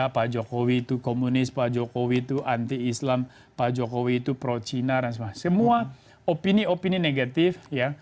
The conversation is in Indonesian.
pak jokowi itu komunis pak jokowi itu anti islam pak jokowi itu pro cina dan semua opini opini negatif ya